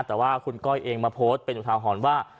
แต่ว่าคุณก้อยเองมาโพสต์เป็นอุทาหรณ์ว่า